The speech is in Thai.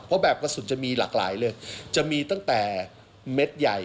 เพราะแบบกระสุนจะมีหลากหลายเลยจะมีตั้งแต่เม็ดใหญ่